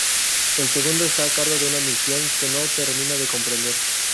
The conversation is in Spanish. El segundo está a cargo de una misión que no termina de comprender.